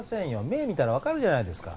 目見たらわかるじゃないですか。